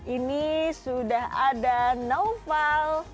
ini sudah ada noval